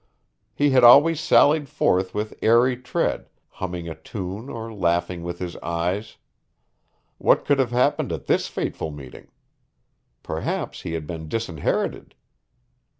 He had always sallied forth with airy tread, humming a tune or laughing with his eyes. What could have happened at this fateful meeting? Perhaps he had been disinherited.